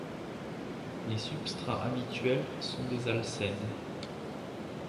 Les substrats habituels sont des alcènes.